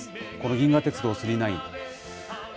この銀河鉄道９９９。